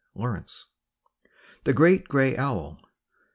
SCIENCES.] THE GREAT GRAY OWL.